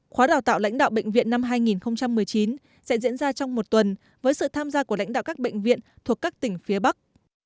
khóa đào tạo lãnh đạo bệnh viện năm hai nghìn một mươi chín sẽ diễn ra trong một tuần với sự tham gia của lãnh đạo các bệnh viện thuộc các tỉnh phía bắc